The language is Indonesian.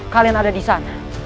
kalian ada di sana